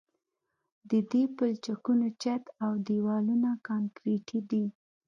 د دې پلچکونو چت او دیوالونه کانکریټي دي